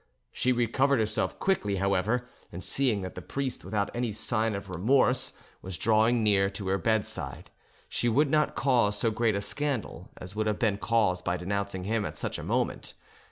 She recovered herself quickly, however, and seeing that the priest, without any sign of remorse, was drawing near to her bedside, she would not cause so great a scandal as would have been caused by denouncing him at such a moment.